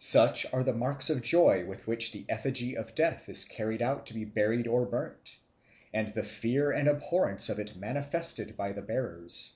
Such are the marks of joy with which the effigy of Death is carried out to be buried or burnt, and the fear and abhorrence of it manifested by the bearers.